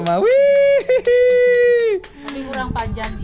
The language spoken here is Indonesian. tapi kurang panjang